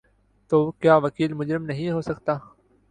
تو کیا وکیل مجرم نہیں ہو سکتا؟